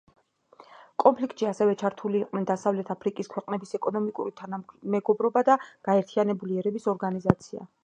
კონფლიქტში ასევე ჩარეული იყვნენ დასავლეთი აფრიკის ქვეყნების ეკონომიკური თანამეგობრობა და გაერთიანებული ერების ორგანიზაცია.